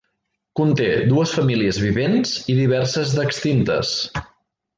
Conté dues famílies vivents i diverses d'extintes.